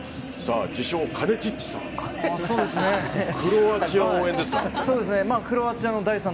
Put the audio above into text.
自称カネチッチさん。